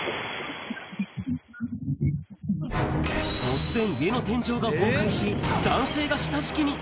突然、家の天井が崩壊し、男性が下敷きに。